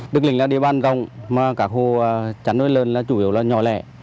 đức lĩnh là địa bàn gồng mà cả khu chăn nuôi lợn là chủ yếu là nhỏ lẻ